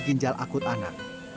ginjal akut anak